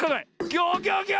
ギョギョギョ！